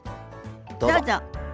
どうぞ。